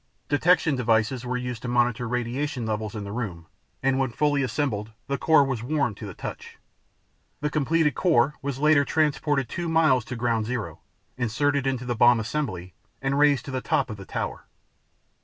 Detection devices were used to monitor radiation levels in the room, and when fully assembled the core was warm to the touch. The completed core was later transported the two miles to Ground Zero, inserted into the bomb assembly, and raised to the top of the tower.